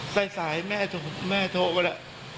ใส่สายแม่โทรแม่โทรไปละ